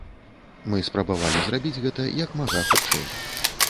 Мы спрабавалі зрабіць гэта як мага хутчэй.